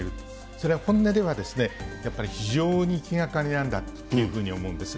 それは本音では、やっぱり非常に気がかりなんだというふうに思うんです。